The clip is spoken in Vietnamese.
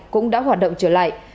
cũng đã hoạt động trở lại